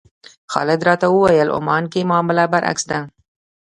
خالد راته وویل عمان کې معامله برعکس ده.